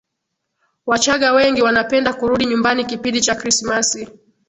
wachagga wengi wanapenda kurudi nyumbani kipindi cha krismasi